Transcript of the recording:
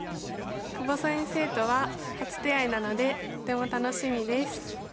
久保先生とは初手合なのでとても楽しみです。